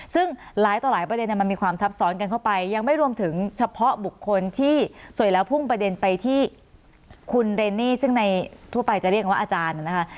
ซึ่งหลายต่อหลายประเด็นมันมีความทับซ้อนกันเข้าไปยังไม่รวมถึงเฉพาะบุคคลที่สวยแล้วพุ่งประเด็นไปที่คุณเรนนี่ซึ่งในทั่วไปจะเรียกว่าอาจารย์นะคะ